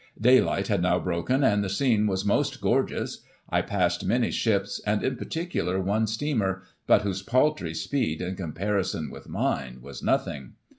" Daylight had now broken, and the scene was most gorgeous. I passed many ships ; and, in particular, one steamer, but whose paltry speed, in comparison with mine, was nothing.